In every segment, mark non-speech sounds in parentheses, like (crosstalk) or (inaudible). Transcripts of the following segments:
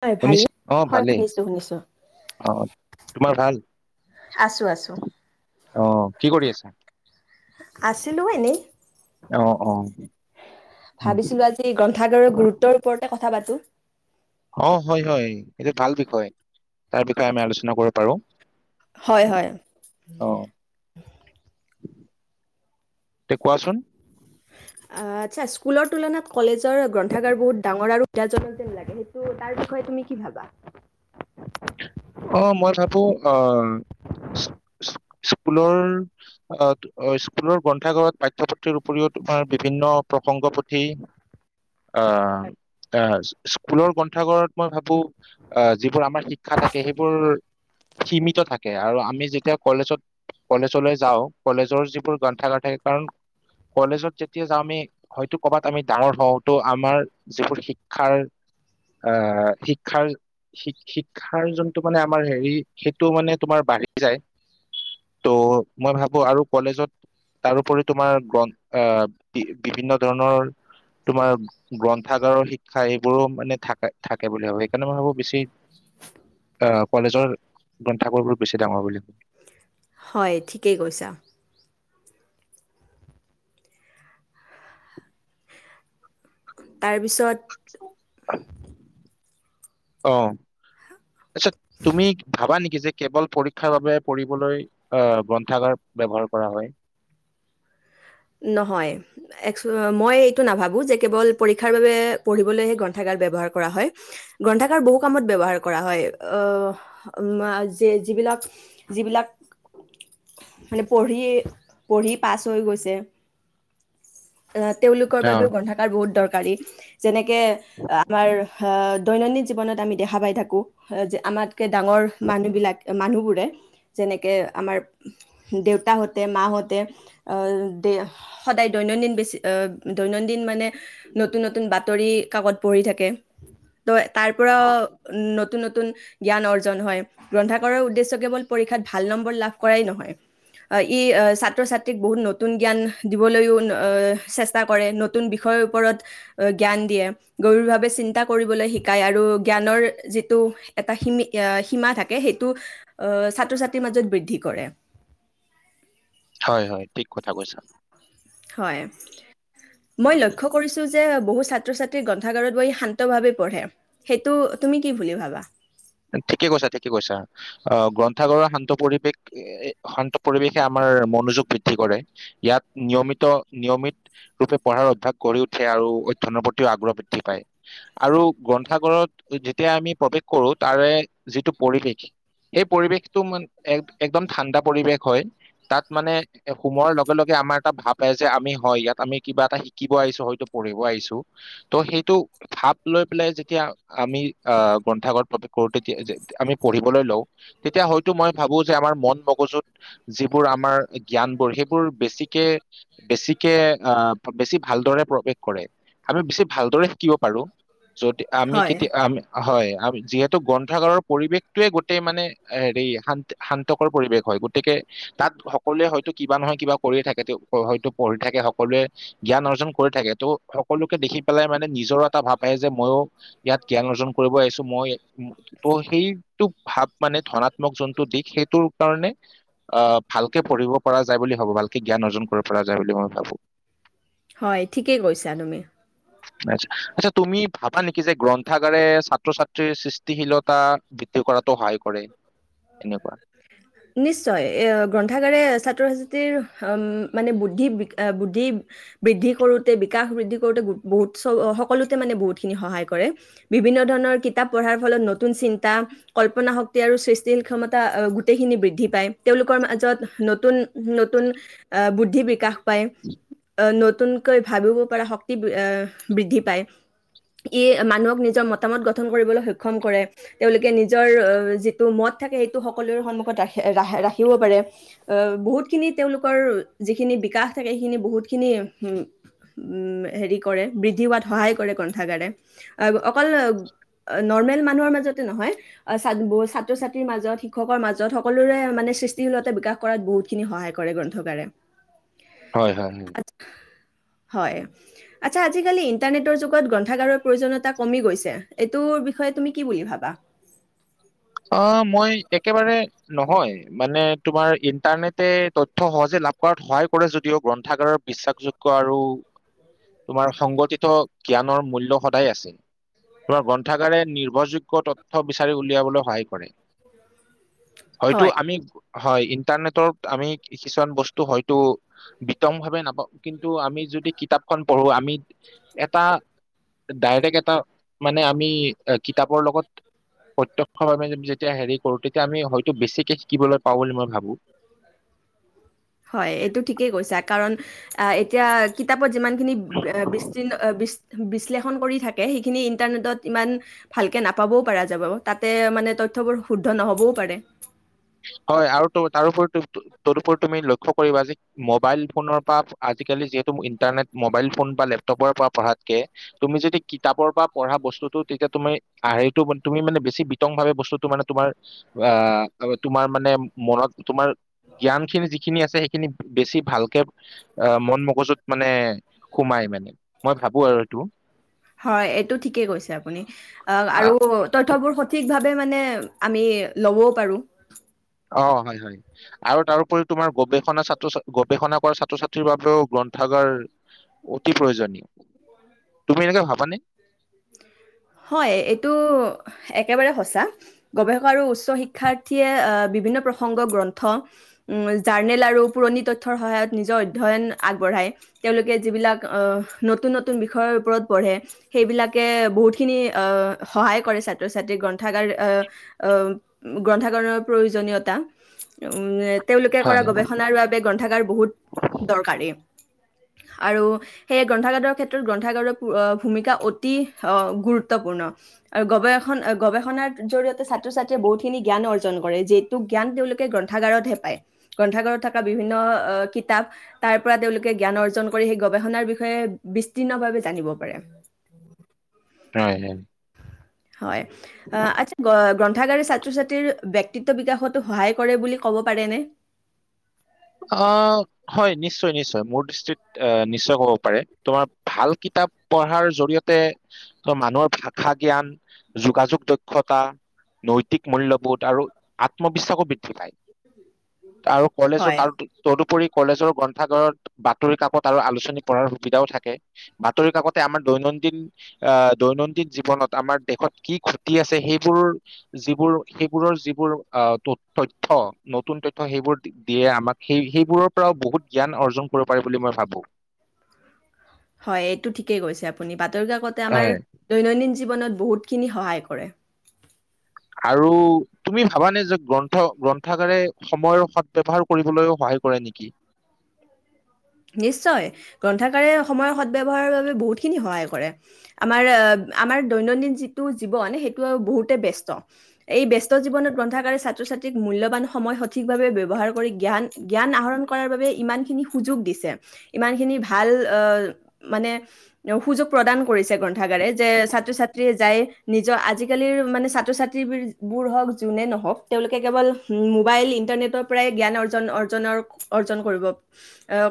হয় ভাল শুনিছ নে অ ভালেই শুনিছো শুনিছো অ তোমাৰ ভাল আছো আছো অ কি কৰি আছা আছিলো এনেই অ অ অ ভাবিছিলো আজি গ্ৰন্থাগাৰৰ গুৰুত্বৰ ওপৰতে কথা পাতো অ হয় হয় এইটো ভাল বিষয় তাৰ বিষয়ে আমি আলোচনা কৰিব পাৰো হয় হয় ত কোৱাচোন আচ্ছা স্কুলৰ তুলনাত কলেজৰ গ্ৰন্থাগাৰ বহুত ডাঙৰ আৰু কাজন যেন লাগে সেইটো তাৰ বিষয়ে তুমি কি ভাবা অ মই ভাবো আমম স্কুলৰ স্কুলৰ গ্ৰন্থাগাৰত পাঠ্যপুথিৰ উপৰিও তোমাৰ বিভিন্ন প্ৰসংগ পুথি অহ অহ স্কুলৰ গ্ৰন্থাগৰত মই ভাবো আহ যিবোৰ আমাৰ শিক্ষা থাকে সেইবোৰ সীমিত থাকে আৰু আমি যেতিয়া কলেজত কলেজলৈ যাওঁ কলেজৰ যিবোৰ গ্ৰন্থাগাৰ থাকে কাৰণ কলেজত যেতিয়া যাওঁ আমি হয়তো কৰ'বাত আমি ডাঙৰ হওঁ তো আমাৰ যিবোৰ শিক্ষাৰ আহ শিক্ষাৰ শিক শিক্ষা হয় যোনটো মানে আমাৰ হেৰি সেইটো মানে তোমাৰ বাঢ়ি যায় ত' মই ভাবো আৰু কলেজত তাৰোপৰি তোমাৰ গ্ৰন্ আহ বিভিন্ন ধৰণৰ তোমাৰ গ্ৰন্থাগাৰৰ শিক্ষা সেইবোৰো মানে থাকে থাকে বুলি ভাবো সেইকাৰণে মই ভাবো বেছি হয় কলেজৰ গ্ৰন্থাবোৰবোৰ বেছি ডাঙৰ বুলি ভ হয় ঠিকেই কৈছা (unintelligible) তাৰপিছত অহ আচছা তুমি ভাবা নেকি যে কেৱল পৰীক্ষাৰ বাবে পঢ়িবলৈ অহ গ্ৰন্থাগাৰ ব্যৱহাৰ কৰা হয় নহয় মই অকচ এইটো নাভাবো যে কেৱল পৰীক্ষাৰ বাবে পঢ়িবলৈহে গ্ৰন্থাগাৰ ব্যৱহাৰ কৰা হয় গ্ৰন্থাগাৰ বহু কামত ব্যৱহাৰ কৰা হয় আহ যিবিলাক যিবিলাক মানে পঢ়িযে পঢ়ি পাছ হৈ গৈছে অ তেওঁলোকৰ অ বাবেও গন্থাকাৰ বহুত দৰক পাৰি যেনেকে যেনেকে আমাৰ হহ দৈনন্দিন জীৱনত আমি দেখা পাই থাকোঁ যে আমাক কে ডাঙৰ মানুহবিলাকে মানুহবোৰে, যেনেকৈ আমাৰ দেউতাহঁতে মাহঁতে সদায় দৈনন্দিন বেছি দৈনন্দিন মানে নতুন-নতুন বাতৰি কাকত পঢ়ি থাকে। ত তাৰ পৰা নতুন-নতুন জ্ঞান অৰ্জন হয় গ্ৰন্থ কৰৰ উদ্দেশ্য কেৱল পৰীক্ষাত ভাল নম্বৰ লাভ কৰাই নহয়, ই ছাত্ৰ ছাত্ৰীক বহুত নতুন জ্ঞান দিবলৈও চেষ্টা কৰে নতুন বিষয়ৰ ওপৰত জ্ঞান দিয়ে, গভীৰভাৱে চিন্তা কৰিবলৈ শিকায় আৰু জ্ঞানৰ যিটো এটা সম সীমা থাকে সেইটো আহ, ছাত্ৰ-ছাত্ৰীৰ মাজত বৃদ্ধি কৰে। হয়-হয় ঠিক কথা কৈচা। হয়, মই লক্ষ্য কৰিছো যে বহু ছাত্ৰ-ছাত্ৰী গ্ৰন্থাগাৰত বহি শান্ত ভাৱে পঢ়ে সেইটো তুমি কি বুলি ভাবা। ঠিকে কৈছা, ঠিকে কৈছা, আহ, ভগ্ৰন্থাগাৰৰ শান্ত পৰিৱেশ শান্ত পৰিৱেশে আমাৰ মনোযোগ বৃদ্ধি কৰে। ইয়াত নিয়মিত নিয়মিত ৰূপে পঢ়াৰ অভ্যাস গঢ়ি উঠে আৰু অধ্যায়নৰ প্ৰতিও আগ্ৰহ বৃদ্ধি পায় আৰু গ্ৰন্থাগাৰত যেতিয়া আমি প্ৰৱেশ কৰোঁ তাৰে যিটো পৰিৱেশ সেই পৰিৱেশটো মান একদম ঠাণ্ডা পৰিৱেশ হয়, তাত মানে সোমোৱাৰ লগে-লগে আমাৰ এটা ভাপ যে আমি হয় ইয়াত আমি কিবা এটা শিকিব আহিছো হয়তো পঢ়িব আহিছো। ত' সেইটো ভাপ লৈ পেলাই যেতিয়া আমি আহ গ্ৰন্থাগত কৰো তেতিয়া আমি পঢ়িবলৈ লওঁ, তেতিয়া হয়তো মই ভাবো যে আমাৰ মন মগজুত যিবোৰ আমাৰ জ্ঞান বোৰ সেইবোৰ বেছিকে বেছিকে আহ, বেছি ভালদৰে প্ৰৱেশ কৰে আমি বেছি ভালদৰে শিকিব পাৰো, যদি আমি হয় কেতিয়া আমি হয়। আৰু যি গ্ৰন্থাগাৰৰ পৰিৱেশটয়ে গোটেই মানে হেৰি শান্ত শান্তকৰ পৰিৱেশ হয়। গতিকে, তাত সকলোৱে হয়তো কিবা নহয় কিবা কৰিয়েই থাকে হয়তো পঢ়ি থাকে সকলোৱে জ্ঞান অৰ্জন কৰি থাকে। ত' সকলোকে দেখি পেলাই মানে নিজৰ এটা ভাৱ আহ যে ময়ো ইয়াত জ্ঞান অৰ্জন কৰিব আহিছো। ম ত' সেইটো ভাৱ মানে ধনাত্মক যোনটো দিশ সেইটোৰ কাৰণে আহ, ভালকে পঢ়িব পৰা যায় বুলি ভাবো ভালকে জ্ঞান অৰ্জন কৰিব পৰা যায় বুলি মই ভাবো। হয়, ঠিকেই কৈছা তুমি। আটচ্চা, তুমি ভাবা নেকি যে গ্ৰন্থাগাৰে ছাত্ৰ- ছাত্ৰীৰ সৃষ্টি গশীলতা বৃদ্ধি কৰাতো সহায় কৰে, এনেকুৱা নিশ্চয় এ গ্ৰন্থাগাৰে ছাত্ৰ-ছাত্ৰীৰ মানে বুদ্ধি বুদ্ধি বৃদ্ধি কৰোতে বিকাশ বৃদ্ধি কৰোতে বহুত সকলোতে মানে বহুতখিনি সহায় কৰে, বিভিন্ন ধৰণৰ কিতাপ পঢ়াৰ ফলত নতুন চিন্তা কল্পনা শক্তি আৰু সৃষ্টিশী ক্ষমতা গোইখিনি বৃদ্ধি পায় তেওঁলোকৰ মাজত নতুন-নতুন আহ, বুদ্ধি বিকাশ পায়। আহ, নতুনকৈ ভাবিব পৰা শক্তি আহ বৃদ্ধি পায় ই মানুহক নিজৰ মতামত গঠন কৰিবলৈ সক্ষম কৰে তেওঁলোকে নিজৰ যিটো মত থাকে সেইটো সকলোৰে ৰখিব পাৰে, বহুতখিনি তেওঁলোকৰ যিখিনি বিকাশ থাকে সেইখিনি বহুখিনি হেৰি কৰে। বৃদ্ধি হোৱাত সহায় কৰে গ্ৰন্থগাৰে অকল নৰ্মেল মানুহৰ মাজতে নহয়, ছাত্ৰ-ছাত্ৰীৰ মাজত শিক্ষকৰ মাজত সকলোৰে মানে সৃষ্টিশীলতা বিকাশ কৰাত বহুতখিনি সহায় কৰে গ্ৰন্থগাৰে। হয়-হয়-হয়, হয়, আটছা আজি-কালি ইণ্টাৰনেটৰ যুগত গ্ৰন্থাগাৰৰ প্ৰয়োজনীয়তা কমি গৈছে, এইটো বিষয়ে তুমি কি বুলি ভাবা? অ, মই একেবাৰে নহয় মানে তোমাৰ ইণ্টাৰনেটে তথ্ৰ সহজে লাভ কৰাত সহায় কৰে যদিও, গ্ৰন্থাগাৰৰ বিশ্বাসযোগ্য আৰু তোমাৰ সংগঠিত জ্ঞানৰ মূল্য সদায় আছে, তোমাৰ গ্ৰন্থাগাৰে নিৰ্ভৰযোগ্য তথ্ৰ বিচাৰি উলিয়াবলৈ সহায় কৰে। হয়তো হয়, আমি, হয়, ইণ্টাৰনেটত আমি কিছুমান বস্তু হয়তো বিতংভাৱে নাপাওঁ কিন্তু আমি, যদি কিতাপখন পঢ়ো আমি এটা ডাইৰেক্ট এটা মানে, আমি কিতাপৰ লগত প্ৰত যেতিয়া হেৰি কৰো তেতিয়া আমি হয়তো বেছিকে শিকিবলৈ পাওঁ বুলি মই ভাবো। হয়, এইটো ঠিকেই কৈছা কাৰণ এতিয়া যিমানখিনি বিশ বিশ্লেষণ সেইখিন ইমান ভালকে নাপাবও পৰা যাব তাতে মান তবোৰ শুদ্ধ নহ'বও পাৰে। হয় আৰু তো তাৰপৰিও তদুপৰি তুমি লক্ষ্য কৰিবা যে মোবাইল ফোনৰ পৰা আজিকালি যিহেতু ইণ্টাৰনেট মোবাইল ফোন বা লেপটপৰ পৰা পঢ়াতকে, তুমি যদি কিতাপৰ পৰা পঢ়া। বস্তুটো তেতিয়া তুমি হেৰিটো তুমি মানে বেছি বিতং ভাৱে, বস্তুটো মানে তোমাৰ। আহ, তোমাৰ মানে মনত তোমাৰ জ্ঞান খিনি, যিখিনি আছে সেইখিনি বেছি ভালকে আহ মন মগজুত মানে সোমাই মানে। মই ভাবো আৰু এইটো হয়, এইটো ঠিকেই কৈছে আপুনি আহ, আ- আৰু তথ্যবোৰ সঠিক ভাৱ মানে আমি ল'বও পাৰো। অ, হয়-হয় আৰু তাৰোপৰি তোমাৰ গৱেষণা ছাত্ৰ- ছাত্ৰী গৱেষণা কৰা ছাত্ৰ ছাত্ৰীৰ বাবেও গ্ৰন্থাগাৰ অতি প্ৰয়োজনীয়, তুমি এনেকে ভাবানে? হয়, এইটো এক একেবাৰে সঁচা গৱেষকা আৰু উচ্চ শিক্ষাৰ্থীয়ে বিভিন্ন প্ৰসংগ গ্ৰন্থ জাৰ্নেল আৰু পুৰণি তথ্যৰ সহায়ত নিজৰ অধ্যয়ন আগবঢ়াই তেওঁলোকে যিবিলাক নতুন নতুন বিষয়ৰ ওপৰত পঢ়ে সেইবিলাক কে বহুতখিনি সহায় কৰে ছাত্ৰ ছাত্ৰীক গ্ৰন্থাগাৰ গ্ৰন্থাগাৰ প্ৰয়োজনীয়তা তেওঁলোকে কৰা হয় গৱেষণাৰ বাবে গ্ৰন্থাগাৰ বহুত দৰকাৰী আৰু সেয়ে গ্ৰন্থাগাৰৰ ক্ষেত্ৰত গ্ৰন্থাগাৰৰ ভূমিকা অতি গুৰুত্বপূৰ্ণ আৰু গৱেষণ গৱেষণাৰ জৰিয়তে ছাত্ৰ ছাত্ৰীয়ে বহুতখিনি জ্ঞান অৰ্জন কৰে যিটো জ্ঞান তেওঁলোকে গ্ৰন্থাগাৰতহে পায়। গ্ৰন্থাগাৰত থকা বিভিন্ন কিতাপ তাৰ পৰা তেওঁলোকে জ্ঞান অৰ্জন কৰি সেই গৱেষণাৰ বিষয়ে বিস্তীৰ্ণ ভাৱে জানিব পাৰে হয় হয় হয় আচ্ছা গ্ৰন্থ গ্ৰন্থাগাৰ ছাত্ৰ ছাত্ৰীৰ ব্যক্তিত্ব বিকাশতো সহায় কৰে বুলি ক'ব পাৰেনে? আহ হয় নিশ্চয় নিশ্চয় মোৰ দৃষ্টিত আহ নিশ্চয় ক'ব পাৰে তোমাৰ ভাল কিতাপ পঢ়াৰ জৰিয়তে মানুহৰ ভাষা জ্ঞান, যোগাযোগ, দক্ষতা, নৈতিক, মূল্যবোধ আৰু আত্মবিশ্বাসো বৃদ্ধি পায়। আৰু কলেজত হয় তাৰ ততোপৰি কলেজৰ গ্ৰন্থাগাৰত বাতৰি কাকত আৰু আলোচনী পঢ়াৰ সুবিধাও থাকে বাতৰি কাকতে আমাৰ দৈনন্দিন আহ দৈনন্দিন জীৱনত আমাৰ দেশত কি ঘতি আছে সেইবোৰ যিবোৰ সেইবোৰৰ যিবোৰ তথ্যয় নতুন তথ্যয় সেইবোৰ দিয়ে আমাক সেই সেইবোৰৰ পৰাও বহুত জ্ঞান অৰ্জন কৰিব পাৰে বুলি মই ভাবো হয় এইটো ঠিকেই গৈছে আপুনি বাত বাতৰি কাকতে আমাৰ দৈনন্দিন জীৱনত বহুতখিনি সহায় কৰে আৰু তুমি ভাবানে যে গ্ৰন্থ গ্ৰন্থাগাৰে সময়ৰ সদ ব্যৱহাৰ কৰিবলৈ সহায় কৰে নেকি নিশ্চয় গ্ৰন্থাকাৰে সময়ৰ সদব্যৱহাৰ‌ বাবে বহুতখিনি সহায় কৰে আমাৰ আমাৰ দৈনন্দিন যিটো জীৱন সেইটো বহুতে বস্ত। এই ব ব্যস্ত জীৱনত গ্ৰন্থাকাৰে ছাত্ৰ ছাত্ৰীক মূল্যবান সময় সঠিকভাৱে ব্যৱহাৰ কৰি জ্ঞান জ্ঞান আহৰণ কৰাৰ বাবে ইমানখিনি সুযোগ দিছে ইমানখিনি ভাল আহ মানে সুযোগ প্ৰদান কৰিছে গ্ৰন্থাগাৰে যে ছাত্ৰ ছাত্ৰীয়ে যাই নিজৰ আজিকালিৰ মানে ছাত্ৰ ছাত্ৰী বোৰ হওক যোনে নহওক তেওঁলোকে কেৱল মোবাইল ইন্টাৰনেটৰ পৰাই জ্ঞান অৰ্জন অৰ্জনৰ অৰ্জন কৰিব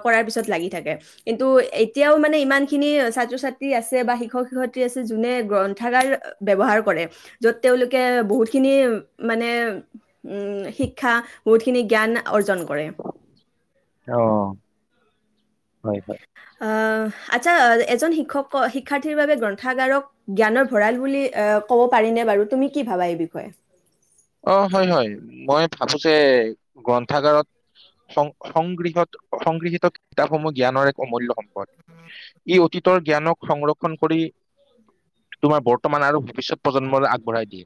কৰাৰ পিছত লাগি থাকে কিন্তু এতিয়াও মানে ইমান খিনি ছাত্ৰ ছাত্ৰী আছে বা শিক্ষক শিক্ষয়িত্ৰী আছে যোনে গ্ৰন্থাগাৰ ব্যৱহাৰ কৰে য'ত তেওঁলোকে বহুতখিনি মানে উ শিক্ষা বহুতখিনি জ্ঞান অৰ্জন কৰে অ হয় হয় আচ্ছা এজন শিক্ষক শিক্ষাৰ্থীৰ বাবে গ্ৰন্থাগাৰক জ্ঞানৰ ভঁৰাল বুলি ক'ব পাৰিনে বাৰু তুমি কি ভাবা এই বিষয়ে অ হয় হয় মই ভাবো যে গ্ৰন্থাগাৰত সং সংগৃহত সংগৃহীত কিতাপসমূহ জ্ঞানৰ এক অমূল্য সম্পদ ই অতীতৰ জ্ঞানক সংৰক্ষণ কৰি তোমাৰ বৰ্তমান আৰু ভৱিষ্যত প্ৰজন্মলৈ আগবঢ়াই দিয়ে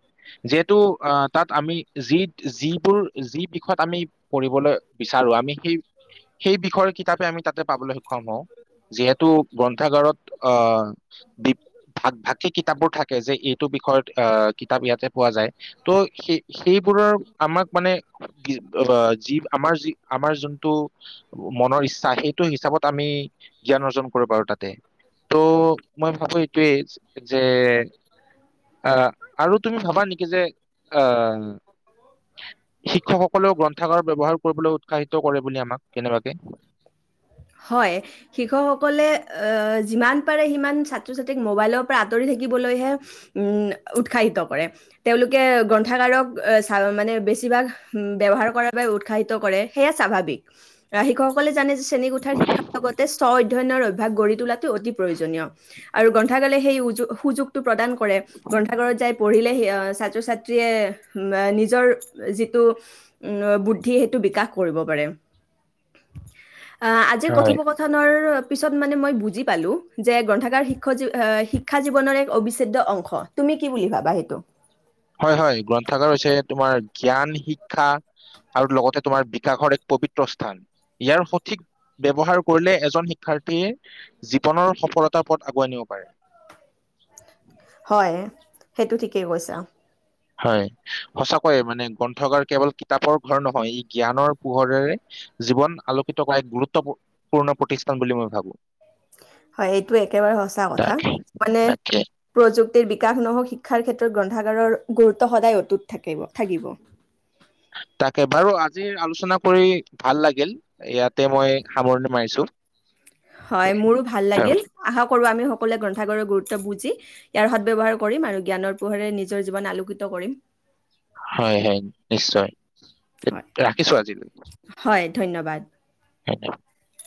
যিহেতু আহ তাত আমি যি যিবোৰ যি বিষয়ত আমি পঢ়িবলৈ বিচাৰো আমি সেই সেই বিষয়ৰ কিতাপে আমি তাতে পাবলৈ সক্ষম হও যিহেতু গ্ৰন্থাগাৰত আহ ভাগ ভাগকে কিতাপবোৰ থাকে যে এইটো বিষয়ত আহ কিতাপ ইয়াতে পোৱা যায় ত' সে সেইবোৰৰ আমাক মানে যি আমাৰ যি আমাৰ যোনটো মনৰ ইচ্ছা সেইটো হিচাপত আমি জ্ঞান অৰ্জন কৰিব পাৰ তাতে ত' মই ভাবো এইটোৱেই যে আহ আৰু তুমি ভাবা নেকি যে হয় শিক্ষকসকলেও গ্ৰন্থাগাৰ ব্যৱহাৰ কৰিবলৈ উৎসাহিত কৰে বুলি আমাক কেনেবাকে হয়, শিক্ষকসকলে যিমান পাৰে সিমান ছাত্ৰ ছাত্ৰীক মোবাইলৰ পৰা আঁতৰি থাকিবলৈহে উৎসাহিত কৰে তেওঁলোকে গ্ৰন্থাগাৰক চা মানে বেছিভাগ ব্যৱহাৰ কৰা বা উৎসাহিত কৰে সেয়া স্বাভাৱিক আহ শিক্ষকসকলে জানে শ্ৰেণীকোঠাৰ শিক্ষাৰ লগতে স্ব অধ্যয়নৰ অভ্যাস গঢ়ি তোলাটো অতি প্ৰয়োজনীয় আৰু গ্ৰন্থাগলে সেই সুযোগটো প্ৰদান কৰে গ্ৰন্থাগাৰত যাই পঢ়িলে ছাত্ৰ ছাত্ৰীয়ে নিজৰ যিটো উ বুদ্ধি সেইটো বিকাশ কৰিব পাৰে অ আজিৰ হয় কথোপকথনৰ পিছত মানে মই বুজি পালো যে গ্ৰন্থাৰ্ষ শিক্ষা জীৱনৰ এক অবিচ্ছেদ্য অংশ তুমি কি বুলি ভাবা সেইটো হয় হয় গ্ৰন্থাগাৰ হৈছে তোমাৰ জ্ঞান শিক্ষা আৰু লগতে তোমাৰ বিকাশৰ এক পবিত্ৰ স্থান ইয়াৰ সঠিক ব্যৱহাৰ কৰিলে এজন শিক্ষাৰ্থীয়ে জীৱনৰ সফলতাৰ পথ আগুৱাই নিব পাৰে হয় সেইটো ঠিকেই কৈছা হয় সঁচাকৈয়ে মানে গ্ৰন্থগাৰ কেৱল কিতাপৰ ঘৰ নহয় ই জ্ঞানৰ পোহৰেৰে জীৱন আলোকিত কৰা এক গুৰুত্বপূৰ্ণ প্ৰতিষ্ঠান বুলি মই ভাবো হয়', এইটো একেবাৰে সচা কথা তাকে মানে তাকে প্ৰযুক্তিৰ বিকাশ নহওক, শিক্ষাৰ ক্ষেত্ৰত গ্ৰন্থ ফাদাৰৰ গুৰুত্ব সদায় অতুত থাকিব-থাকিব, তাকে বাৰু আজি আলোচনা কৰি ভাল লাগিল, ইয়াতে মই সামৰণি মাৰিছো। হয়', মোৰো ভাল লাগিল আশা কৰো আমি সকলোৱে গ্ৰন্থাগাৰৰ গুৰুত্ব বুজি ইয়াৰ সদব্যৱহাৰ কৰিম আৰু জ্ঞানৰ পোহেৰে নিজৰ জীৱন আলোকিত কৰিম। হয়', -হয়', নিশ্চয় হয়, ৰাখিছো আজিলৈ। হয় ধন্যবাদ। (unintelligible)